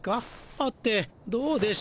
はてどうでしょう。